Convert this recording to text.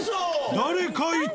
誰かいた！